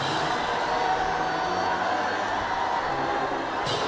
วัฒนิยาพุทธ